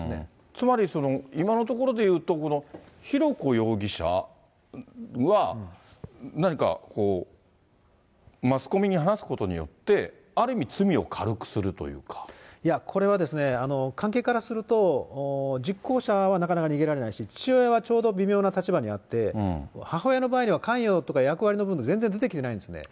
つまり、今のところでいうところの浩子容疑者は、何かマスコミに話すことによってある意味、いや、これはですね、関係からすると、実行者はなかなか逃げられないし、父親はちょうど微妙な立場にあって、母親の場合には関与とか役割の部分、全然出てきてないんですね。